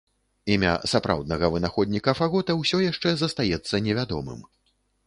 Імя сапраўднага вынаходніка фагота ўсё яшчэ застаецца невядомым.